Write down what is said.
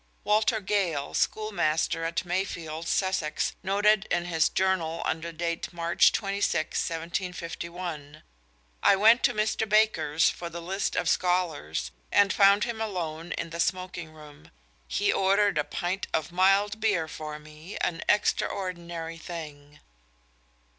Walter Gale, schoolmaster at Mayfield, Sussex, noted in his Journal under date March 26, 1751: "I went to Mr. Baker's for the list of scholars, and found him alone in the smoaking room; he ordered a pint of mild beer for me, an extraordinary thing."